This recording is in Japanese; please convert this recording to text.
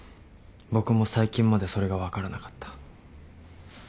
僕も最近までそれが分からなかった。